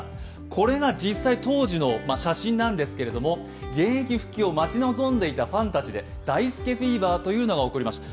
これが当時の写真なんですけども、現役復帰を待ち望んでいたファンたちで大輔フィーバーが起きました。